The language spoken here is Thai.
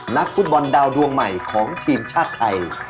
นักฟุตบอลดาวดวงใหม่ของทีมชาติไทย